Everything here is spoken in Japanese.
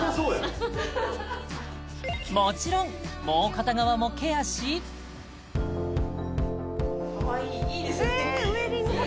もちろんもう片側もケアしカワイイいいですね